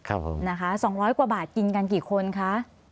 ครับผมนะคะ๒๐๐กว่าบาทกินกันกี่คนคะ